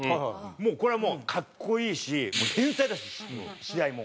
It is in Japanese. これはもう格好いいしもう天才だし試合も。